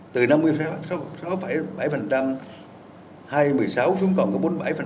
từ năm mươi sáu bảy hai mươi sáu xuống còn có bốn mươi bảy một mươi ba